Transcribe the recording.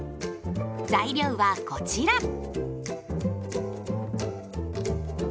材料はこちら。